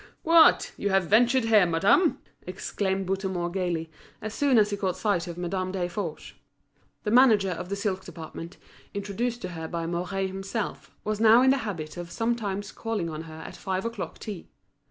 "What! you have ventured here, madame?" exclaimed Bouthemont gaily, as soon as he caught sight of Madame Desforges. The manager of the silk department, introduced to her by Mouret himself, was now in the habit of sometimes calling on her at her five o'clock tea.